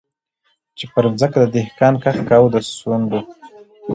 چي پر مځکه دهقان کښت کاوه د سونډو